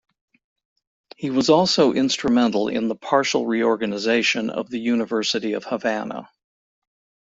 He was also instrumental in the partial reorganization of the University of Havana.